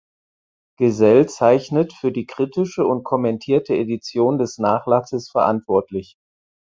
Gsell zeichnet für die kritische und kommentierte Edition des Nachlasses verantwortlich.